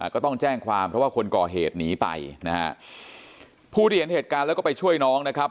ก็ต้องแจ้งความเพราะว่าคนก่อเหตุหนีไปนะฮะผู้ที่เห็นเหตุการณ์แล้วก็ไปช่วยน้องนะครับ